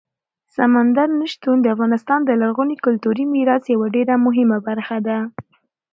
سمندر نه شتون د افغانستان د لرغوني کلتوري میراث یوه ډېره مهمه برخه ده.